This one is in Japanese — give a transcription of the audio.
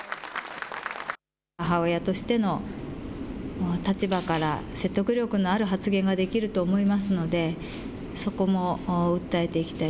母親としての立場から説得力の発言ができると思いますのでそこも絶対訴えていきたい。